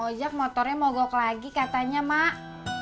bang ojak motornya mogok lagi katanya mak